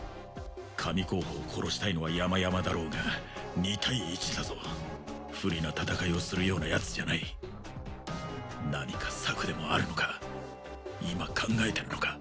神候補を殺したいのはやまやまだろうが２対１だぞ不利な戦いをするようなやつじゃない何か策でもあるのか今考えてるのか？